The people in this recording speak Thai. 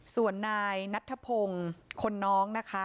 ส่วนนายนัทธพงศ์คนน้องนะคะ